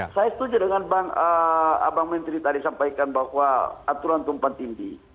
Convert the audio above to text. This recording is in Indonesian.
saya setuju dengan abang menteri tadi sampaikan bahwa aturan tumpang tindi